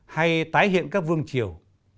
hay tái hiện các vương triều